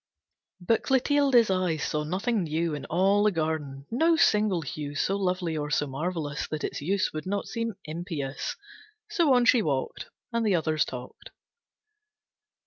But Clotilde's eyes saw nothing new In all the garden, no single hue So lovely or so marvellous That its use would not seem impious. So on she walked, And the others talked.